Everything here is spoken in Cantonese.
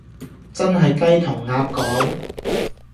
真係雞同鴨講